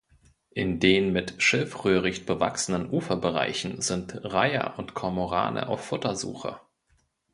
In den mit Schilfröhricht bewachsenen Uferbereichen sind Reiher und Kormorane auf Futtersuche.